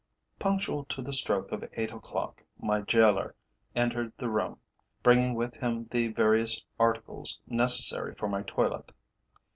Punctual to the stroke of eight o'clock my gaoler entered the room, bringing with him the various articles necessary for my toilet.